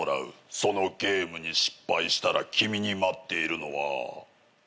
そのゲームに失敗したら君に待っているのは死だ。